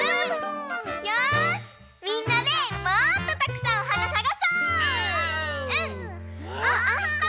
よしみんなでもっとたくさんおはなさがそう！お！あった！